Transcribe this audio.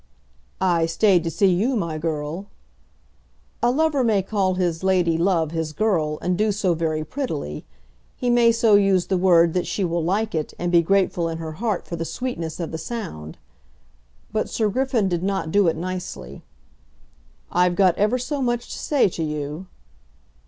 "I stayed to see you, my girl." A lover may call his lady love his girl, and do so very prettily. He may so use the word that she will like it, and be grateful in her heart for the sweetness of the sound. But Sir Griffin did not do it nicely. "I've got ever so much to say to you."